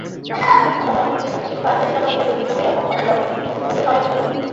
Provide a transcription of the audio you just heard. আবার অনেকে সৃজনশীল কাজ যেমন লেখালেখি, ছবি আঁকা, ফটোগ্রাফি, অভিনয়ের সঙ্গে যুক্ত।